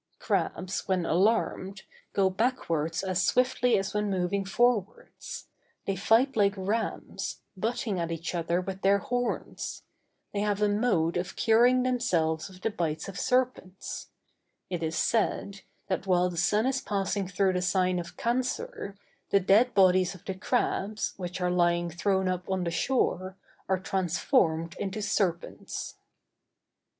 Crabs, when alarmed, go backwards as swiftly as when moving forwards. They fight like rams, butting at each other with their horns. They have a mode of curing themselves of the bites of serpents. It is said, that while the sun is passing through the sign of Cancer, the dead bodies of the crabs, which are lying thrown up on the shore, are transformed into serpents.